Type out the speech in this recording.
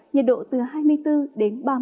nhiệt độ từ hai mươi bốn đến ba mươi hai độ